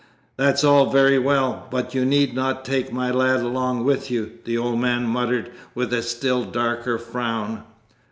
'That's all very well, but you need not take my lad along with you,' the old man muttered with a still darker frown.